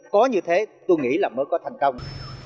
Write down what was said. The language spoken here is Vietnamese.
có như thế tôi nghĩ là mới có thành công